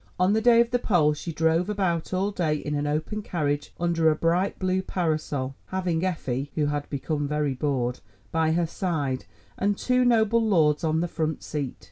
On the day of the poll she drove about all day in an open carriage under a bright blue parasol, having Effie (who had become very bored) by her side, and two noble lords on the front seat.